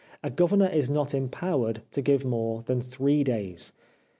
A governor is not empowered to give more than three days.